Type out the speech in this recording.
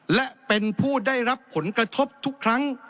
และเป็นผู้ได้รับผลกระทบทุกครั้ง